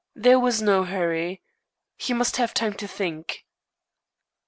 There was no hurry. He must have time to think.